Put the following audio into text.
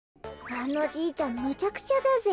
あのじいちゃんむちゃくちゃだぜ。